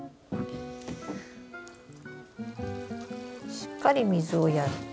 しっかり水をやって。